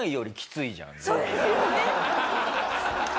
そうですよね。